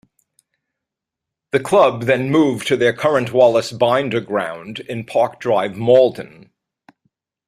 The club then moved to their current Wallace Binder Ground in Park Drive, Maldon.